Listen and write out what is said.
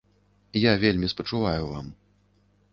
Я вельмі спачуваю вам.